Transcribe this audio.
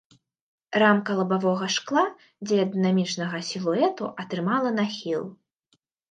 Рамка лабавога шкла дзеля дынамічнага сілуэту атрымала нахіл.